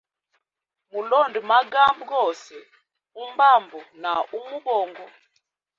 Mulonde magambo gose, umbambo na umubongo.